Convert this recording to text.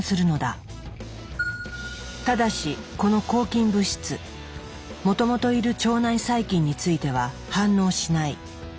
ただしこの抗菌物質もともといる腸内細菌については反応しない。